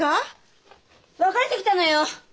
別れてきたのよ。